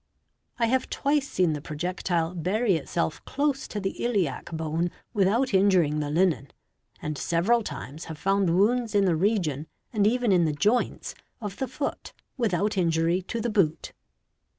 I have twice seen the projectile bury itself close to the iliac bone without injuring the linen and several times have found wounds in the region, and even in the joints, of the foot without injury to the boot".